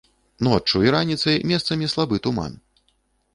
Ноччу і раніцай месцамі слабы туман.